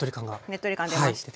ねっとり感出ました。